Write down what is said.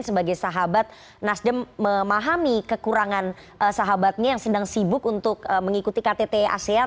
sebagai sahabat nasdem memahami kekurangan sahabatnya yang sedang sibuk untuk mengikuti ktt asean